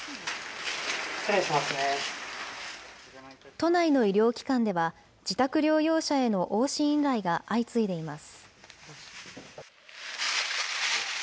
都内の医療機関では、自宅療養者への往診依頼が相次いでいます。